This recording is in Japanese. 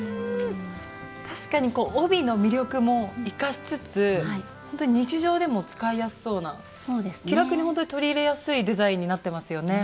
確かに帯の魅力も生かしつつほんとに日常でも使いやすそうな気楽にほんとに取り入れやすいデザインになってますよね。